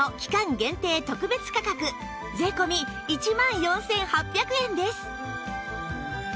限定特別価格税込１万４８００円です